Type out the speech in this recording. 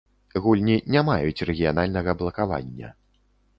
Гульні не маюць рэгіянальнага блакавання.